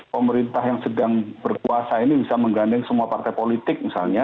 pemerintah yang sedang berkuasa ini bisa menggandeng semua partai politik misalnya